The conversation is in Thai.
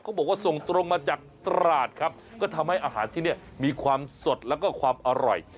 บอกว่าส่งตรงมาจากตราดครับก็ทำให้อาหารที่นี่มีความสดแล้วก็ความอร่อย